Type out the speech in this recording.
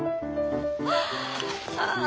ああ。